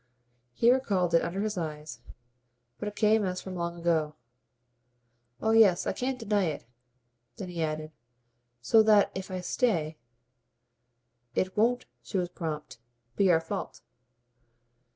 He recalled it, under her eyes, but it came as from long ago. "Oh yes. I can't deny it." Then he added: "So that if I stay " "It won't" she was prompt "be our fault."